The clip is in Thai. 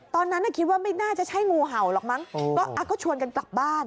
ตอนนั้นคิดว่าไม่น่าจะใช่งูเห่าหรอกมั้งก็ชวนกันกลับบ้าน